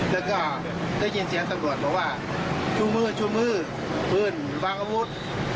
แล้วก็ได้ยินเสียงตำรวจบอกว่าชูมือชูมือปืนวางอาวุธ